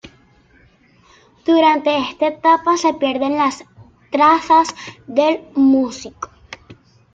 Durante esta etapa se pierden las trazas del músico.